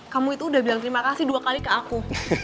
kamu itu udah bilang terima kasih dua kali ke aku